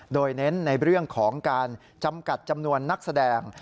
โดยเน้นในเรื่องของการจำกัดจำนวนนักแสดง